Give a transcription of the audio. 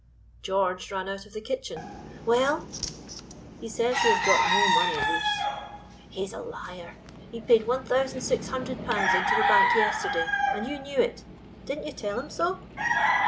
George ran out of the kitchen. "Well?" "He says he has got no money loose." "He is a liar! he paid 1,600 pounds into the bank yesterday, and you knew it; didn't you tell him so?"